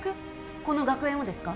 この学園をですか？